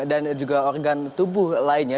dan juga organ tubuh lainnya